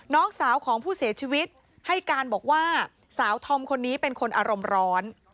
น้องสาวของผู้เสียชีวิตให้การบอกว่าสาวธอมคนนี้เป็นคนอารมณ์ร้อน